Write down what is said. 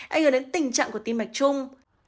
ảnh hưởng đến tình trạng của tim mạch chung